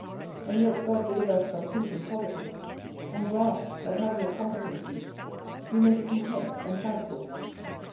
And yet God deliver us from pinching poverty; and grant, that having a competency, we may be content and thankful.